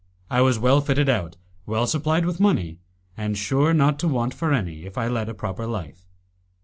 I was well fitted out, well supplied with money, and sure not to want for any, if I led a proper life.